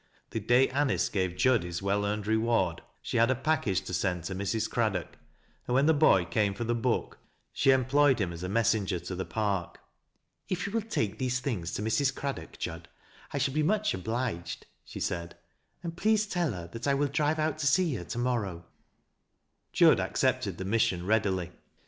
The daj ^1 "^ce gave Jud his well earned reward, she had a packagi " 0ANNTBLE8." 159 \» send to Mrs. Craddock, and when the boy came for the book, she employed him as a messenger to the park. " If you will take these things to Mrs. Craddock, Jud, 1 shall be much obliged," she said ;" and please tell her that T will drive out to see her to morrow." Jud accepted the mission readily.